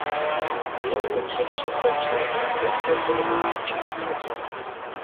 印度是世界上人口最多的民主国家。